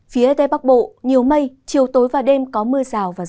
phía tây bắc bộ nhiều mây chiều tối và đêm có mưa rào và rông